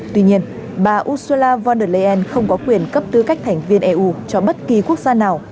tuy nhiên bà ursula von der leyen không có quyền cấp tư cách thành viên eu cho bất kỳ quốc gia nào